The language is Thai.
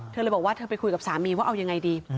เธอเลยบอกว่าเธอไปคุยกับสามีว่าเอายังไงดี